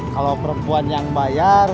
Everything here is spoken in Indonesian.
kalau perempuan yang bayar